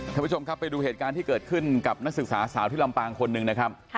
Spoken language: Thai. ท่านผู้ชมครับไปดูเหตุการณ์ที่เกิดขึ้นกับนักศึกษาสาวที่ลำปางคนหนึ่งนะครับ